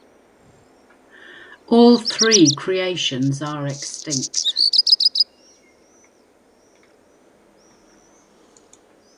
All three creations are extinct.